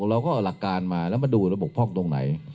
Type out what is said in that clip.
เราก็เอาหลักการมาแล้วมาดูระบบพร่องตรงไหน